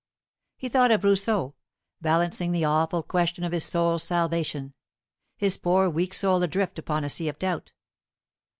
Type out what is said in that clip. He thought of Rousseau, balancing the awful question of his soul's salvation his poor weak soul adrift upon a sea of doubt.